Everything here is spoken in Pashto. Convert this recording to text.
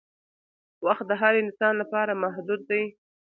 وخت د هر انسان لپاره محدود دی